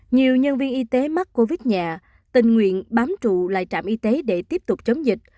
nhiều nhân viên y tế mắc covid nhà tình nguyện bám trụ lại trạm y tế để tiếp tục chống dịch